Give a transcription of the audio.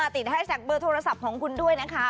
แฮชแท็กเบอร์โทรศัพท์ของคุณด้วยนะคะ